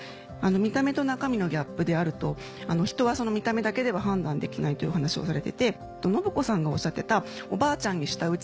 見た目と中身のギャップであると人はその見た目だけでは判断できないというお話をされてて信子さんがおっしゃってた「おばあちゃんに舌打ちされた」。